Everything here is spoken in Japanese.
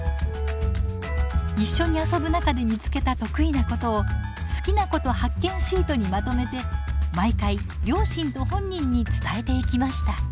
一緒に遊ぶ中で見つけた得意なことを「好きなこと発見シート」にまとめて毎回両親と本人に伝えていきました。